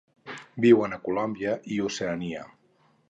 Viuen a Colòmbia i Oceania.